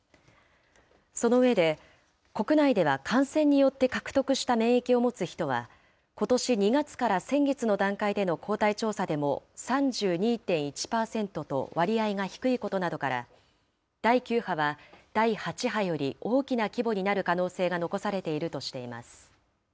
その上で、国内では感染によって獲得した免疫を持つ人は、ことし２月から先月の段階での抗体調査でも３２．１％と割合が低いことなどから、第９波は第８波より大きな規模になる可能性が残されているとしています。